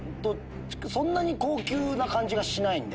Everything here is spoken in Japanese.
そんなに高級な感じがしないんで。